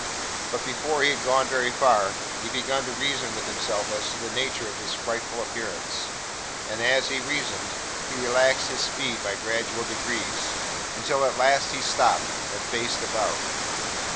But before he had gone very far, he began to reason with himself as to the nature of this frightful appearance; and as he reasoned, he relaxed his speed by gradual degrees; until at last he stopped, and faced about.